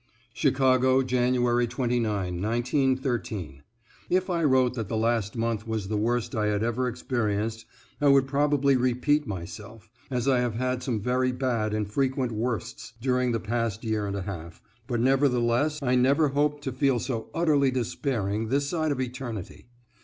=Chicago, January 29, 1913.= If I wrote that the past month was the worst I had ever experienced, I would probably repeat myself, as I have had some very bad and frequent worsts, during the past year and a half, but nevertheless I never hope to feel so utterly despairing this side of eternity.